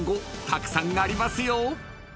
たくさんありますよ］